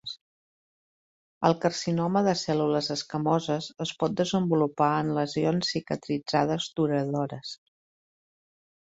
El carcinoma de cèl·lules escamoses es pot desenvolupar en lesions cicatritzades duradores.